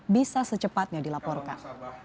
bisa secepatnya dilaporkan